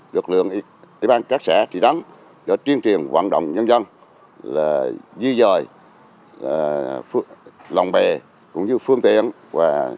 lực lượng các xã trị đắng để truyền truyền vận động nhân dân di rời lồng bè cũng như phương tiện và